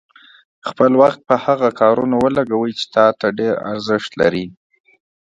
خپل وخت په هغه کارونو ولګوئ چې تا ته ډېر ارزښت لري.